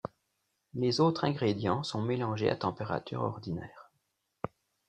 Les autres ingrédients sont mélangés à température ordinaire.